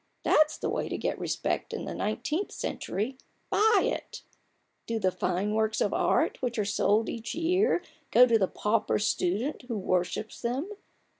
That's the way to get respect in the nineteenth century — buy it ! Do the fine works of art which are sold each year go to the pauper student who worships them?